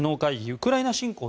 ウクライナ侵攻